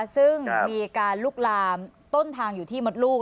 ซึ่งมีการลุกลามต้นทางอยู่ที่มดลูก